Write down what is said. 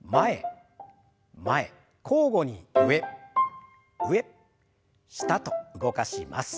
交互に上上下と動かします。